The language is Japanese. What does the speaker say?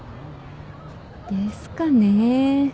ですかね。